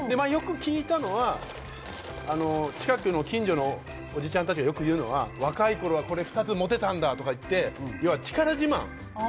よく聞いたのは、近くの近所のおじちゃんたちが言うのは若い頃はこれ２つ持てたんだと言って力自慢。